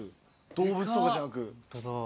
動物とかじゃなく。